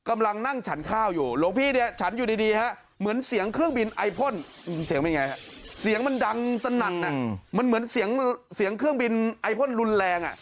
มันเหมือนเสียงเครื่องบินไอโภนรุนแรงอ่ะ